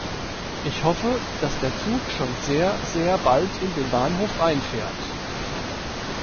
Ich hoffe, dass der Zug schon sehr, sehr bald in den Bahnhof einfährt.